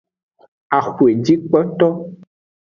Axwejikpoto.